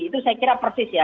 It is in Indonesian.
itu saya kira persis ya